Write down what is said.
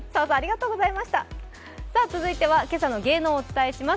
続いては今朝の芸能をお伝えします。